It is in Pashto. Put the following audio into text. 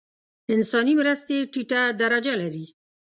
انساني مرستې ټیټه درجه لري.